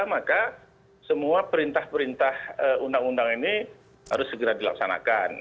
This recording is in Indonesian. maka semua perintah perintah undang undang ini harus segera dilaksanakan